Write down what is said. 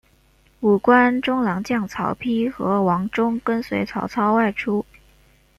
五官中郎将曹丕和王忠跟随曹操外出。